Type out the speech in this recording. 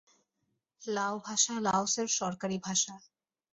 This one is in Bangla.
লাও ভাষা লাওসের সরকারী ভাষা।